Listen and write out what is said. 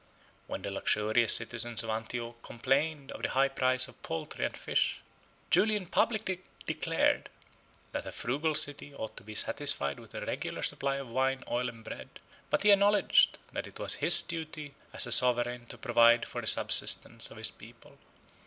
When the luxurious citizens of Antioch complained of the high price of poultry and fish, Julian publicly declared, that a frugal city ought to be satisfied with a regular supply of wine, oil, and bread; but he acknowledged, that it was the duty of a sovereign to provide for the subsistence of his people.